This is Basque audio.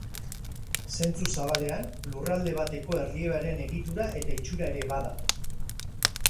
Zentzu zabalean Lurralde bateko erliebearen egitura eta itxura ere bada.